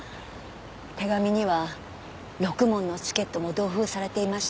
手紙にはろくもんのチケットも同封されていました。